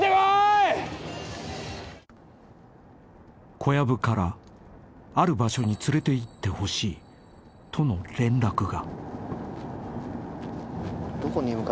［小籔から「ある場所に連れていってほしい」との連絡が］